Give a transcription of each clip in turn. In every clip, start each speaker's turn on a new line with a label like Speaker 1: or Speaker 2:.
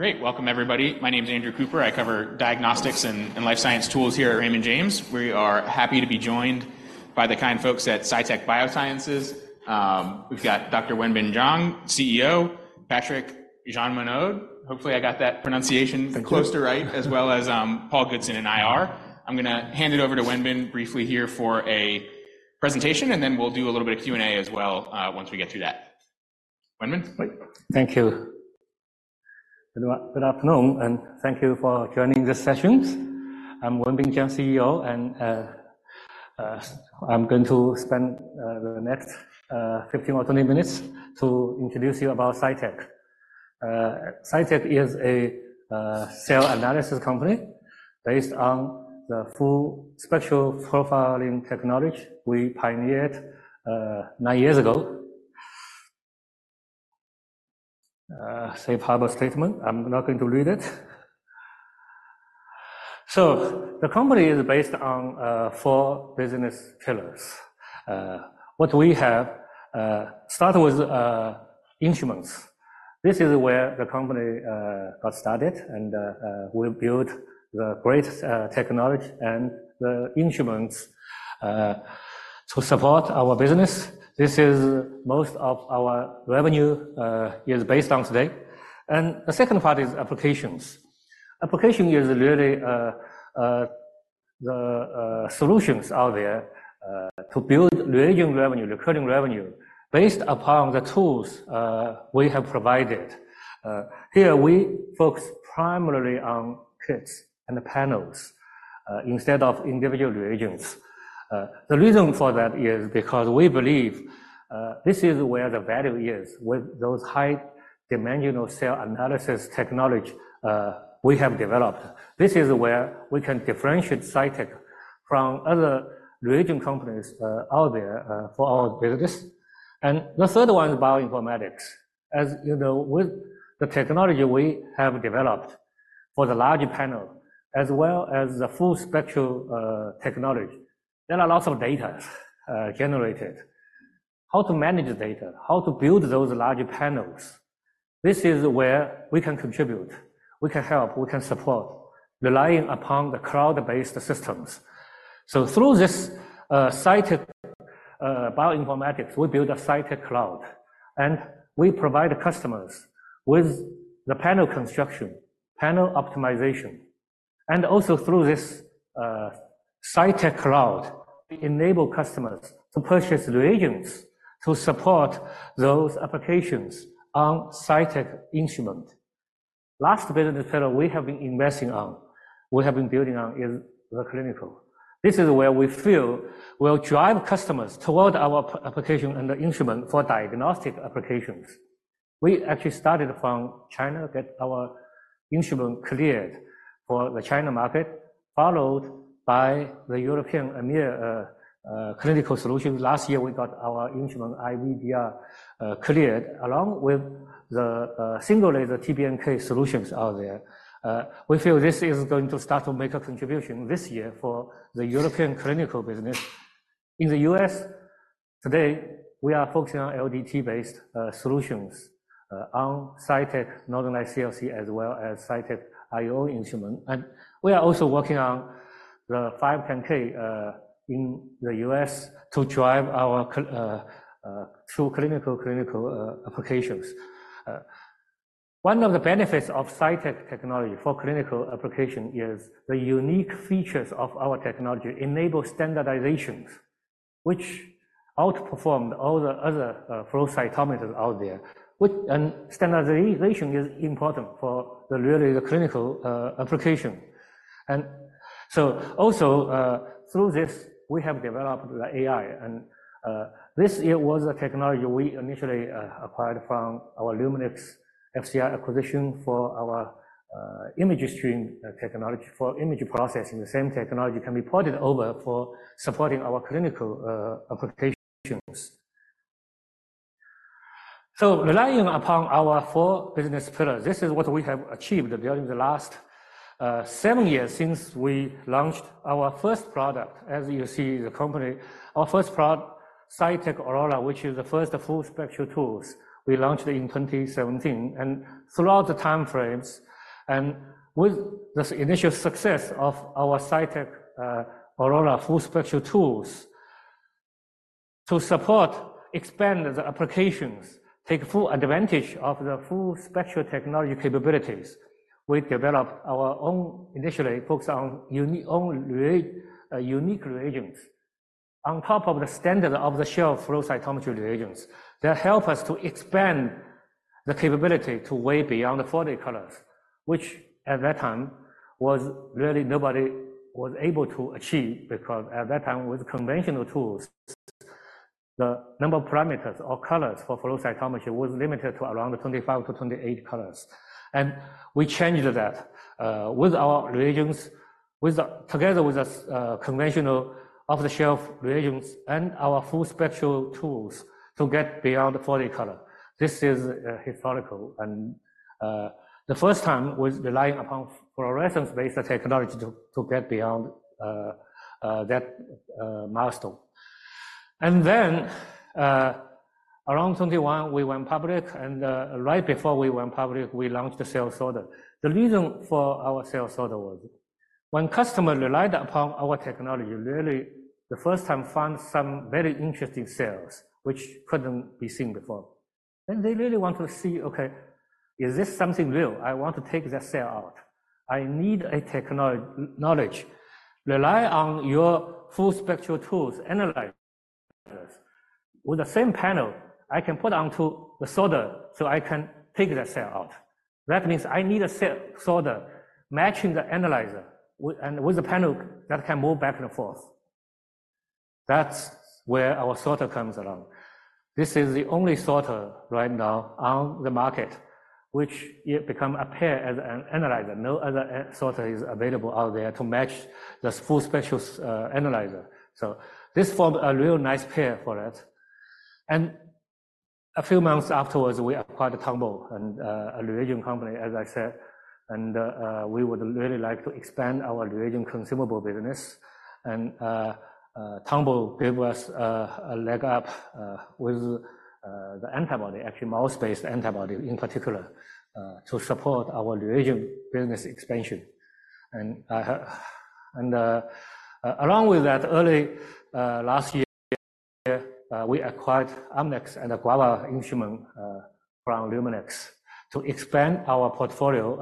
Speaker 1: Great. Welcome, everybody. My name is Andrew Cooper. I cover diagnostics and life science tools here at Raymond James. We are happy to be joined by the kind folks at Cytek Biosciences. We've got Dr. Wenbin Jiang, CEO, Patrik Jeanmonod. Hopefully, I got that pronunciation close to right, as well as Paul Goodson in IR. I'm gonna hand it over to Wenbin briefly here for a presentation, and then we'll do a little bit of Q&A as well, once we get through that. Wenbin?
Speaker 2: Thank you. Good afternoon, and thank you for joining this session. I'm Wenbin Jiang, CEO, and I'm going to spend the next 15 or 20 minutes to introduce you about Cytek. Cytek is a cell analysis company based on the full spectrum profiling technology we pioneered nine years ago. Safe harbor statement, I'm not going to read it. So the company is based on four business pillars. What we have, start with instruments. This is where the company got started, and we built the great technology and the instruments to support our business. This is most of our revenue is based on today. The second part is applications. Application is really the solutions out there to build recurring revenue, recurring revenue, based upon the tools we have provided. Here, we focus primarily on kits and panels instead of individual reagents. The reason for that is because we believe this is where the value is, with those high dimensional cell analysis technology we have developed. This is where we can differentiate Cytek from other reagent companies out there for our business. And the third one is bioinformatics. As you know, with the technology we have developed for the large panel, as well as the full spectrum technology, there are lots of data generated. How to manage the data, how to build those larger panels, this is where we can contribute, we can help, we can support, relying upon the cloud-based systems. So through this, Cytek Bioinformatics, we build a Cytek Cloud, and we provide the customers with the panel construction, panel optimization. And also through this, Cytek Cloud, we enable customers to purchase reagents to support those applications on Cytek instrument. Last business pillar we have been investing on, we have been building on, is the clinical. This is where we feel will drive customers toward our application and the instrument for diagnostic applications. We actually started from China, get our instrument cleared for the China market, followed by the European EMEA clinical solution. Last year, we got our instrument IVDR cleared, along with the single laser TBNK solutions out there. We feel this is going to start to make a contribution this year for the European clinical business. In the U.S. today, we are focusing on LDT-based solutions on Cytek Northern Lights-CLC, as well as Cytek Orion instrument. We are also working on the 510(k) in the U.S. to drive our true clinical applications. One of the benefits of Cytek technology for clinical application is the unique features of our technology enable standardizations, which outperformed all the other flow cytometers out there. And standardization is important for really the clinical application. So also through this, we have developed the AI, and this it was a technology we initially acquired from our Luminex FCR acquisition for our ImageStream technology. For image processing, the same technology can be ported over for supporting our clinical applications. So relying upon our four business pillars, this is what we have achieved during the last seven years since we launched our first product. As you see, the company, our first product, Cytek Aurora, which is the first full spectral tools we launched in 2017. And throughout the time frames, and with this initial success of our Cytek Aurora full spectral tools, to support, expand the applications, take full advantage of the full spectral technology capabilities, we developed our own, initially focused on unique reagents. On top of the standard off-the-shelf flow cytometry reagents, they help us to expand the capability to way beyond the 40 colors, which at that time, was really nobody was able to achieve, because at that time, with conventional tools, the number of parameters or colors for flow cytometry was limited to around 25-28 colors. And we changed that with our reagents together with the conventional off-the-shelf reagents and our full spectrum tools to get beyond the 40-color. This is historical, and the first time we was relying upon fluorescence-based technology to get beyond that milestone. And then around 2021, we went public, and right before we went public, we launched the cell sorter. The reason for our cell sorter was when customer relied upon our technology, really the first time found some very interesting cells, which couldn't be seen before. Then they really want to see, okay, is this something real? I want to take that cell out. I need a technology to rely on your full spectrum tools to analyze this. With the same panel, I can put onto the sorter, so I can take that cell out. That means I need a cell sorter matching the analyzer, and with a panel that can move back and forth. That's where our sorter comes along. This is the only sorter right now on the market, which becomes a pair as an analyzer. No other sorter is available out there to match this full spectrum analyzer. So this forms a real nice pair for it. And a few months afterwards, we acquired Luminex, a reagent company, as I said, and we would really like to expand our reagent consumable business. And Luminex gave us a leg up with the antibody, actually mouse-based antibody, in particular, to support our reagent business expansion. And along with that, early last year, we acquired Amnis and Guava instrument from Luminex to expand our portfolio,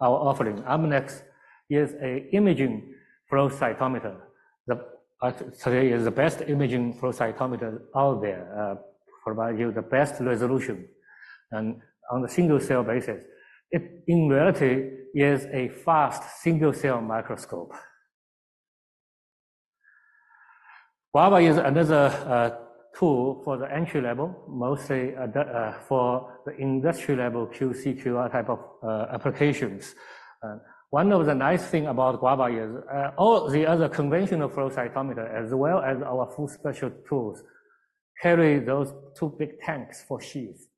Speaker 2: our offering. Amnis is an imaging flow cytometer. The Amnis today is the best imaging flow cytometer out there, provide you the best resolution and on a single-cell basis. It, in reality, is a fast single-cell microscope. Guava is another tool for the entry level, mostly for the industry level, QC/QA type of applications. One of the nice thing about Guava is, all the other conventional flow cytometer, as well as our full spectral tools, carry those two big tanks for sheath,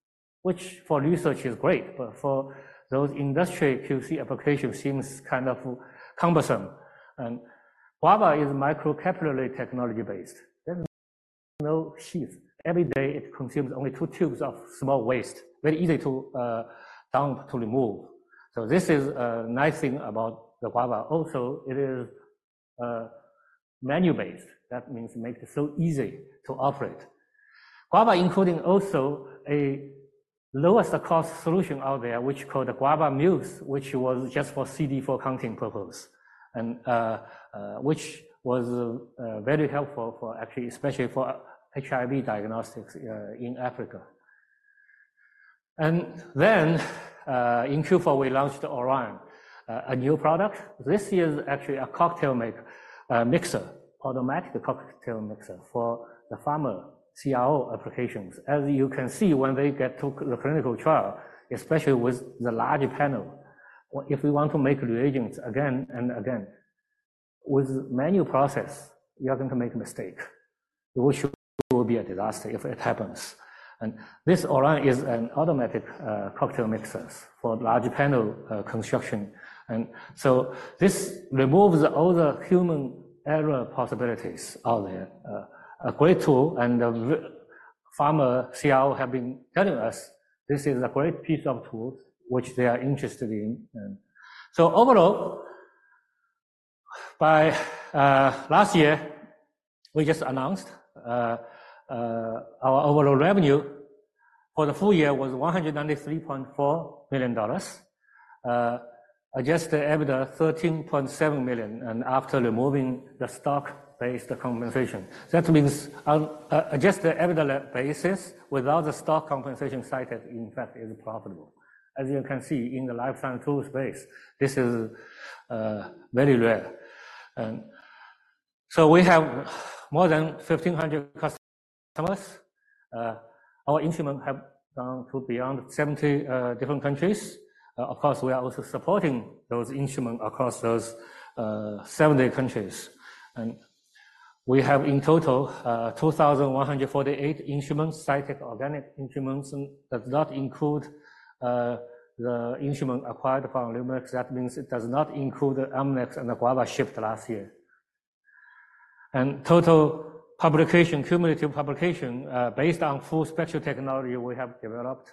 Speaker 2: which for research is great, but for those industry QC application, seems kind of cumbersome. And Guava is microcapillary technology-based. There's no sheath. Every day, it consumes only two tubes of small waste, very easy to dump to remove. So this is a nice thing about the Guava. Also, it is manual-based. That means it makes it so easy to operate. Guava, including also a lowest cost solution out there, which called the Guava Muse, which was just for CD4 counting purpose, and which was very helpful for actually, especially for HIV diagnostics in Africa. And then, in Q4, we launched Orion, a new product. This is actually a cocktail make mixer, automatic cocktail mixer for the pharma CRO applications. As you can see, when they get to the clinical trial, especially with the larger panel, if we want to make reagents again and again, with manual process, you are going to make a mistake, which will be a disaster if it happens. And this Orion is an automatic, cocktail mixer for larger panel, construction. And so this removes all the human error possibilities out there. A great tool, and the big pharma CRO have been telling us this is a great piece of tool, which they are interested in. And so overall, by last year, we just announced our overall revenue for the full year was $193.4 million. Adjusted EBITDA, $13.7 million, and after removing the stock-based compensation. That means on a, adjusted EBITDA basis, without the stock compensation Cytek, in fact, is profitable. As you can see, in the life science tool space, this is, very rare. And so we have more than 1,500 customers. Our instruments have gone to beyond 70, different countries. Of course, we are also supporting those instruments across those 70 countries. We have, in total, 2,148 instruments, Cytek organic instruments, and that does not include the instrument acquired from Luminex. That means it does not include the Amnis and the Guava shipped last year. Total publication, cumulative publication, based on full spectrum technology we have developed,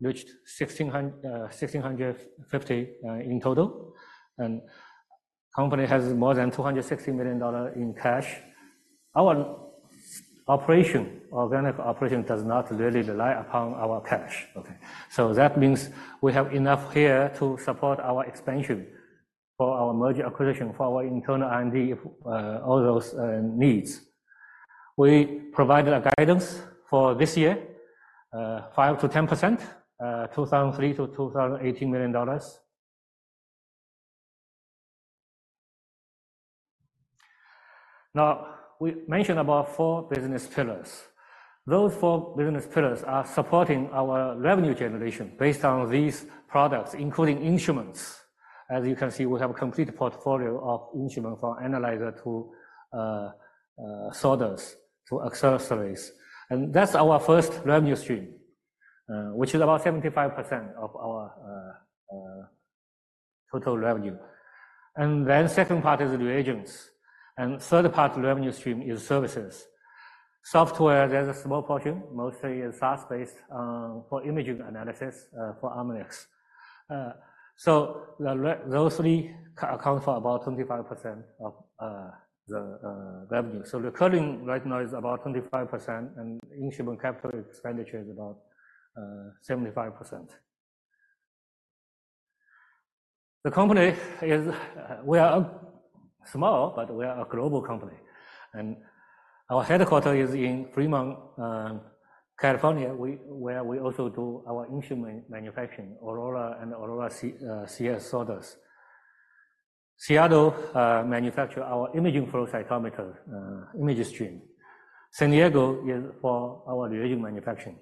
Speaker 2: reached 1,650 in total, and company has more than $260 million in cash. Our operation, organic operation, does not really rely upon our cash. Okay, so that means we have enough here to support our expansion for our merger acquisition, for our internal R&D, all those needs. We provided a guidance for this year, 5%-10%, $203 million-$218 million. Now, we mentioned about four business pillars. Those four business pillars are supporting our revenue generation based on these products, including instruments. As you can see, we have a complete portfolio of instrument for analyzer to sorters to accessories. And that's our first revenue stream, which is about 75% of our total revenue. And then second part is the reagents, and third part revenue stream is services. Software, there's a small portion, mostly in SaaS space, for imaging analysis, for Amnis. So those three account for about 25% of the revenue. So recurring right now is about 25%, and instrument capital expenditure is about 75%. The company is; we are small, but we are a global company, and our headquarters is in Fremont, California, where we also do our instrument manufacturing, Aurora and Aurora CS sorters. Seattle manufacture our imaging flow cytometer, ImageStream. San Diego is for our reagent manufacturing.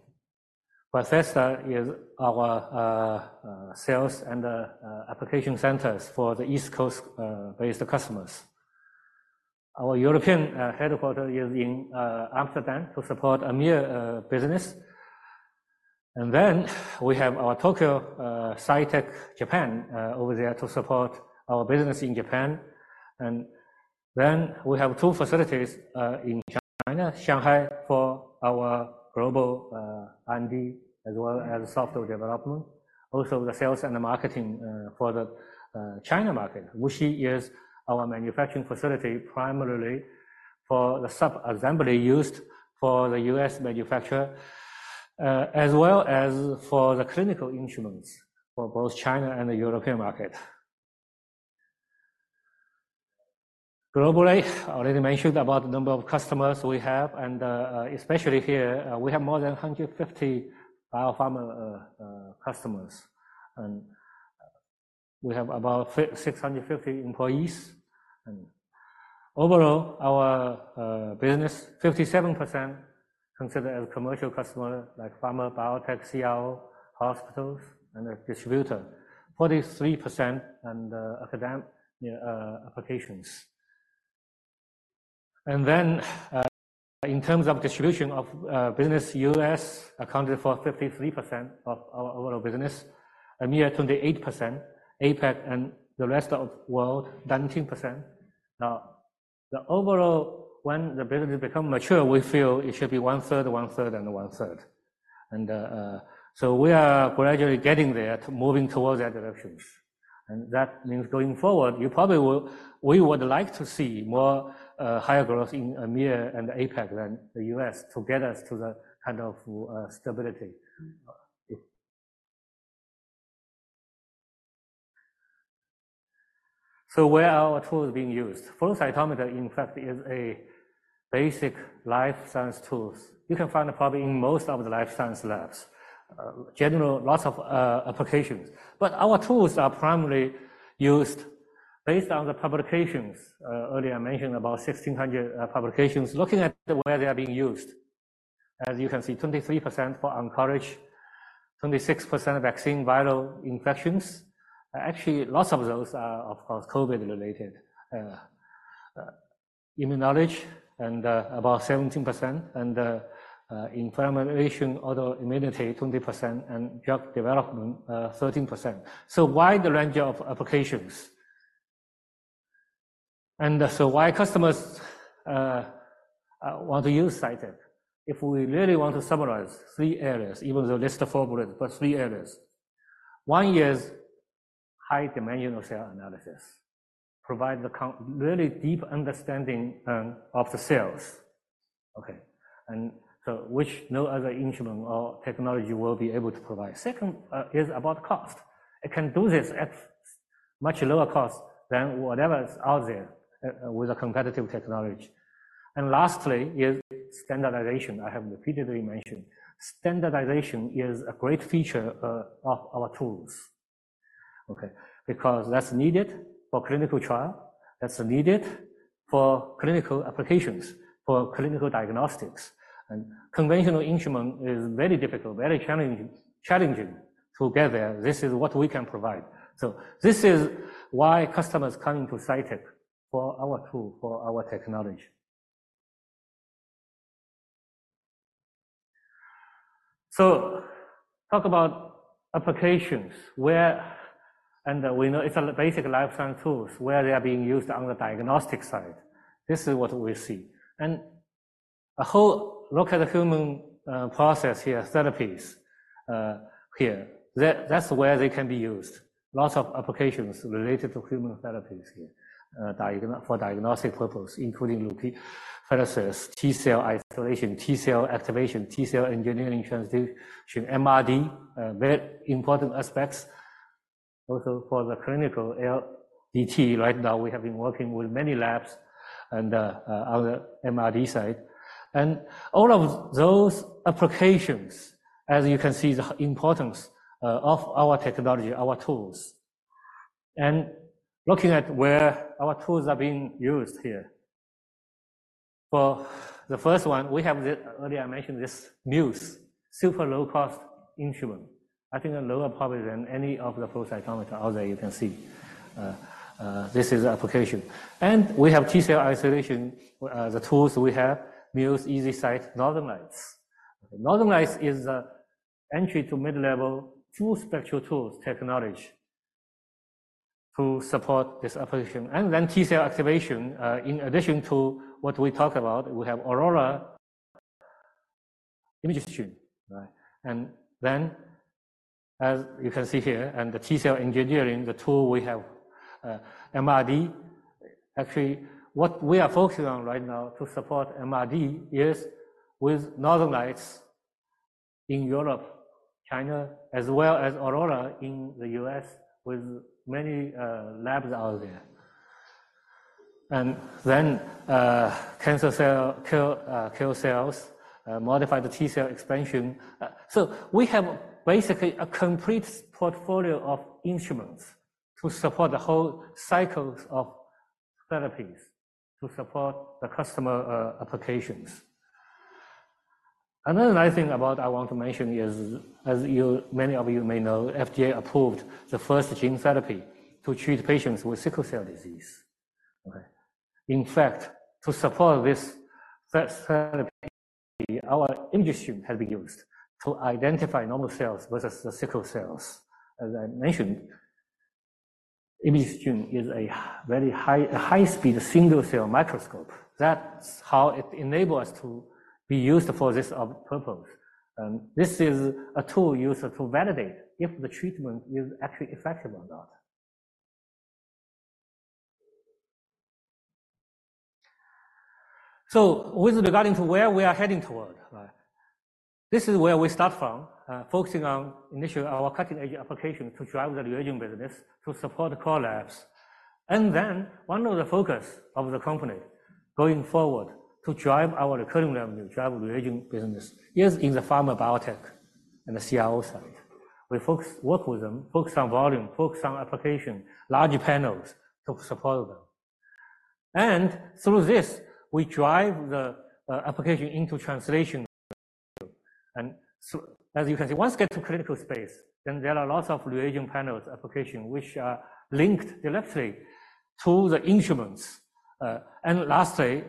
Speaker 2: Bethesda is our sales and application centers for the East Coast-based customers. Our European headquarters is in Amsterdam to support EMEA business. And then we have our Tokyo, Cytek Japan, over there to support our business in Japan. And then we have two facilities in China: Shanghai for our global R&D, as well as software development. Also, the sales and the marketing for the China market. Wuxi is our manufacturing facility, primarily for the sub-assembly used for the U.S. manufacture, as well as for the clinical instruments for both China and the European market. Globally, I already mentioned about the number of customers we have, and, especially here, we have more than 150 biopharma customers. And we have about 650 employees. And overall, our business, 57% considered as commercial customer, like pharma, biotech, CRO, hospitals, and the distributor. 43% on the academic applications. And then, in terms of distribution of business, U.S. accounted for 53% of our overall business, EMEA, 28%, APAC and the rest of world, 19%. Now, the overall, when the business become mature, we feel it should be 1/3, 1/3, and 1/3. We are gradually getting there, to moving towards that directions. That means going forward, you probably we would like to see more higher growth in EMEA and APAC than the U.S., to get us to that kind of stability. So where are our tools being used? Flow cytometer, in fact, is a basic life science tools. You can find it probably in most of the life science labs. General, lots of applications. But our tools are primarily used based on the publications. Earlier, I mentioned about 1,600 publications. Looking at where they are being used, as you can see, 23% for oncology, 26% vaccine/viral infections. Actually, lots of those are, of course, COVID-related. Immunology, and about 17%, and inflammation/autoimmunity, 20%, and drug development, 13%. So wide range of applications. So why customers want to use Cytek? If we really want to summarize, three areas, even though the list is far broad, but three areas. One is high dimensional cell analysis, provide really deep understanding of the cells. Okay. And so which no other instrument or technology will be able to provide. Second is about cost. It can do this at much lower cost than whatever is out there with a competitive technology. And lastly, is standardization. I have repeatedly mentioned, standardization is a great feature of our tools. Okay, because that's needed for clinical trial, that's needed for clinical applications, for clinical diagnostics. And conventional instrument is very difficult, very challenging to get there. This is what we can provide. So this is why customers coming to Cytek for our tool, for our technology. So, talk about applications, where and we know it's basic life science tools, where they are being used on the diagnostic side. This is what we see. And a whole, look at the human process here, therapies here. That, that's where they can be used. Lots of applications related to human therapies here for diagnostic purposes, including leukapheresis, T cell isolation, T cell activation, T cell engineering/transduction, MRD, very important aspects also for the clinical LDT. Right now, we have been working with many labs on the MRD side. And all of those applications, as you can see, the importance of our technology, our tools. And looking at where our tools are being used here. For the first one, we have the... Earlier, I mentioned this Muse, super low-cost instrument, I think lower probably than any of the flow cytometer out there you can see. This is the application. And we have T-cell isolation, the tools we have, Muse, EasySep, Northern Lights. Northern Lights is a entry to mid-level full spectral tools technology to support this application. And then T cell activation, in addition to what we talked about, we have Aurora ImageStream, right? And then, as you can see here, and the T cell engineering, the tool we have, MRD. Actually, what we are focusing on right now to support MRD is with Northern Lights in Europe, China, as well as Aurora in the U.S., with many, labs out there. And then, cancer cell kill, kill cells, modify the T cell expansion. So we have basically a complete portfolio of instruments to support the whole cycles of therapies, to support the customer applications. Another nice thing about, I want to mention is, as many of you may know, FDA approved the first gene therapy to treat patients with sickle cell disease. All right? In fact, to support this first therapy, our ImageStream has been used to identify normal cells versus the sickle cells. As I mentioned, ImageStream is a high-speed single-cell microscope. That's how it enable us to be used for this purpose. And this is a tool used to validate if the treatment is actually effective or not. So with regarding to where we are heading toward, right? This is where we start from focusing on initially our cutting-edge application to drive the reagent business, to support the core labs. One of the focus of the company going forward to drive our recurring revenue, drive the reagent business, is in the pharma biotech and the CRO side. We work with them, focus on volume, focus on application, larger panels to support them. Through this, we drive the application into translation. So, as you can see, once you get to clinical space, then there are lots of reagent panels application, which are linked directly to the instruments. Lastly,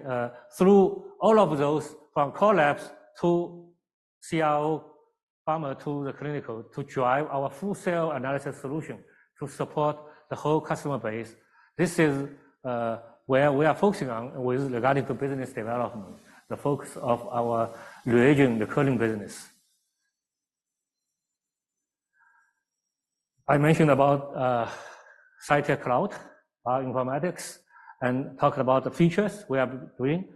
Speaker 2: through all of those, from core labs to CRO, pharma to the clinical, to drive our full cell analysis solution, to support the whole customer base. This is where we are focusing on with regarding to business development, the focus of our reagent recurring business. I mentioned about Cytek Cloud, bioinformatics, and talked about the features we are doing.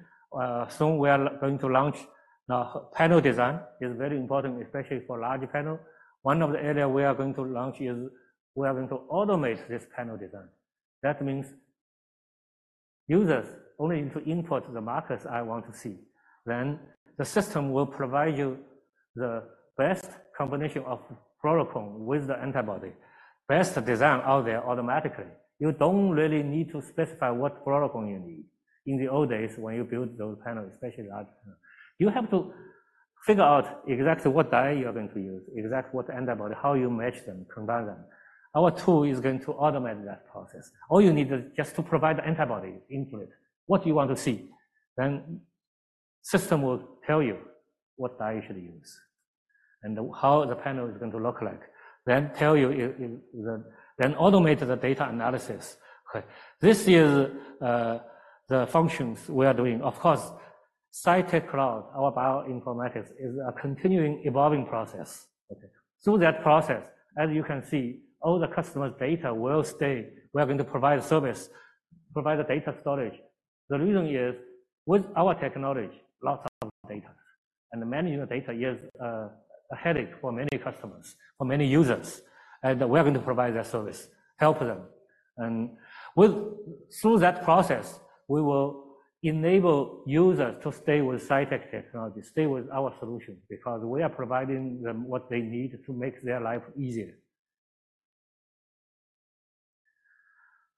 Speaker 2: Soon we are going to launch. Now, panel design is very important, especially for larger panel. One of the area we are going to launch is, we are going to automate this panel design. That means users only need to input the markers I want to see, then the system will provide you the best combination of fluorochrome with the antibody. Best design out there automatically. You don't really need to specify what fluorochrome you need. In the old days, when you build those panels, especially large panel, you have to figure out exactly what dye you are going to use, exactly what antibody, how you match them, combine them. Our tool is going to automate that process. All you need is just to provide the antibody input, what you want to see, then system will tell you what dye you should use and how the panel is going to look like. Then tell you then automate the data analysis. Okay, this is the functions we are doing. Of course, Cytek Cloud, our bioinformatics, is a continuing evolving process. Okay? Through that process, as you can see, all the customers' data will stay. We are going to provide a service, provide the data storage. The reason is, with our technology, lots of data. And the manual data is a headache for many customers, for many users, and we are going to provide that service, help them. Through that process, we will enable users to stay with Cytek technology, stay with our solution, because we are providing them what they need to make their life easier.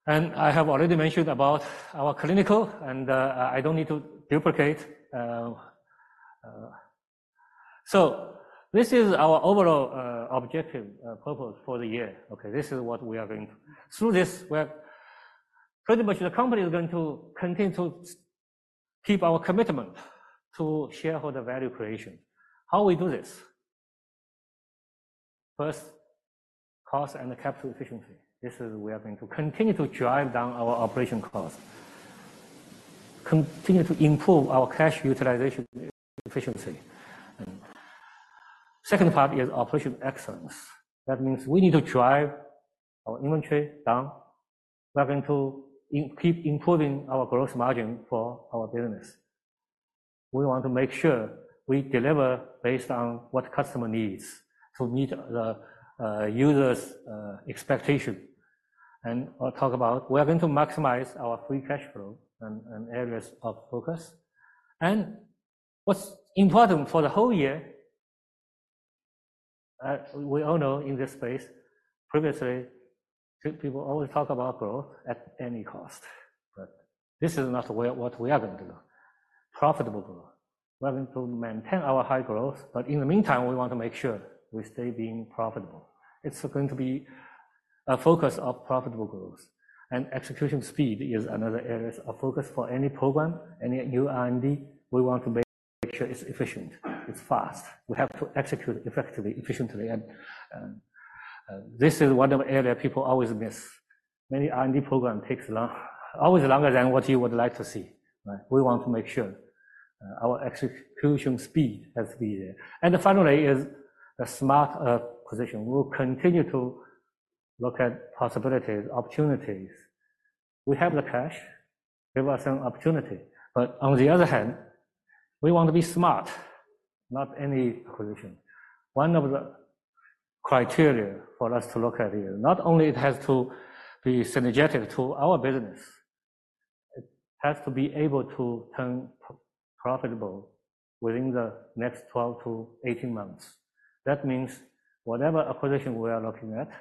Speaker 2: And I have already mentioned about our clinical, and I don't need to duplicate. So this is our overall objective, purpose for the year. Okay, this is what we are going to through this, we are. Pretty much the company is going to continue to keep our commitment to shareholder value creation. How we do this? First, cost and capital efficiency. This is we are going to continue to drive down our operation cost, continue to improve our cash utilization efficiency. And second part is operation excellence. That means we need to drive our inventory down. We are going to keep improving our gross margin for our business. We want to make sure we deliver based on what customer needs, to meet the user's expectation. I'll talk about we are going to maximize our free cash flow and areas of focus. What's important for the whole year, we all know in this space, previously, people always talk about growth at any cost. But this is not what we are going to do. Profitable growth. We are going to maintain our high growth, but in the meantime, we want to make sure we stay being profitable. It's going to be a focus of profitable growth. Execution speed is another areas of focus for any program, any new R&D. We want to make sure it's efficient, it's fast. We have to execute effectively, efficiently, and this is one of the area people always miss. Many R&D program takes long, always longer than what you would like to see, right? We want to make sure our execution speed has to be there. And finally, is a smart position. We'll continue to look at possibilities, opportunities. We have the cash, give us an opportunity, but on the other hand, we want to be smart, not any acquisition. One of the criteria for us to look at here, not only it has to be synergetic to our business, it has to be able to turn profitable within the next 12-18 months. That means whatever acquisition we are looking at, our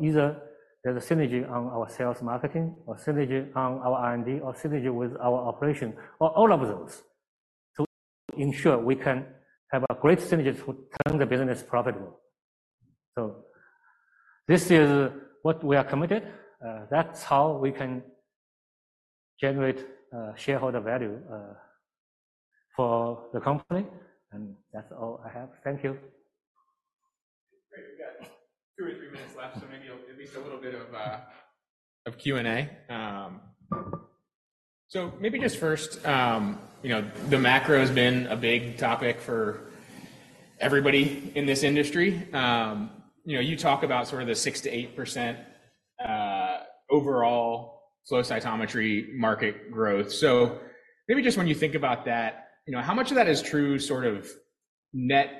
Speaker 2: either there's a synergy on our sales marketing, or synergy on our R&D, or synergy with our operation, or all of those, to ensure we can have a great synergy to turn the business profitable. So this is what we are committed. That's how we can generate shareholder value for the company. That's all I have. Thank you.
Speaker 1: Great. We've got two or three minutes left, so maybe at least a little bit of Q&A. So maybe just first, you know, the macro has been a big topic for everybody in this industry. You know, you talk about sort of the 6%-8% overall flow cytometry market growth. So maybe just when you think about that, you know, how much of that is true, sort of net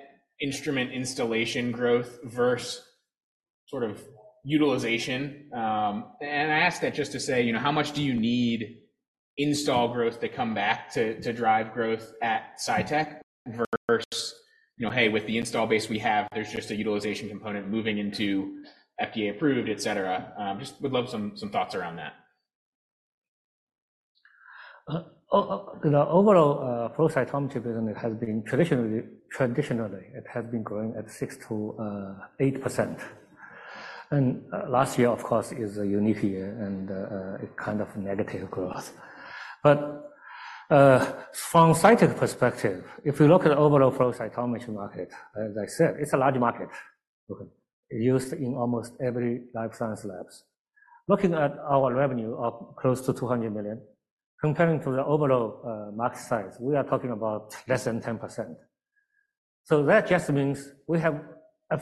Speaker 1: instrument installation growth versus sort of utilization? And I ask that just to say, you know, how much do you need install growth to come back to, to drive growth at Cytek versus, you know, "Hey, with the install base we have, there's just a utilization component moving into FDA-approved," et cetera? Just would love some thoughts around that.
Speaker 2: The overall flow cytometry business has been traditionally, it has been growing at 6%-8%. Last year, of course, is a unique year, and a kind of negative growth. But from Cytek perspective, if we look at the overall flow cytometry market, as I said, it's a large market, used in almost every life science labs. Looking at our revenue of close to $200 million, comparing to the overall market size, we are talking about less than 10%. So that just means we have a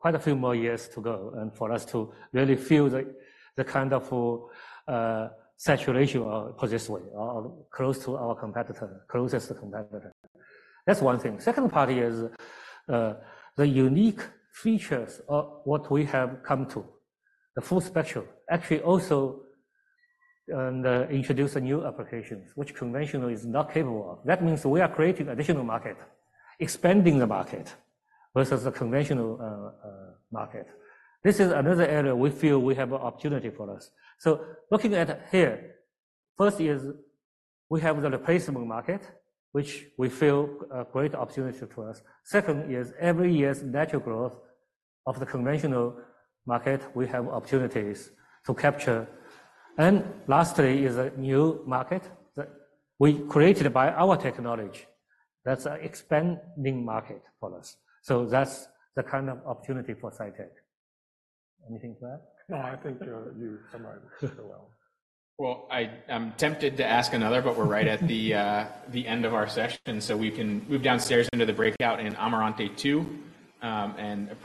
Speaker 2: few—quite a few more years to go, and for us to really feel the kind of saturation position or close to our competitor, closest to competitor. That's one thing. Second part is the unique features of what we have come to, the full spectrum, actually also, and introduce a new applications, which conventional is not capable of. That means we are creating additional market, expanding the market versus the conventional market. This is another area we feel we have an opportunity for us. So looking at here, first is we have the replacement market, which we feel a great opportunity for us. Second is every year's natural growth of the conventional market, we have opportunities to capture. And lastly is a new market that we created by our technology. That's an expanding market for us. So that's the kind of opportunity for Cytek. Anything to add?
Speaker 3: No, I think you summarized it so well.
Speaker 1: Well, I'm tempted to ask another, but we're right at the end of our session, so we can move downstairs into the breakout in Amarante Two, and appreciate-